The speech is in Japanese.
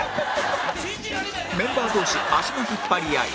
メンバー同士足の引っ張り合い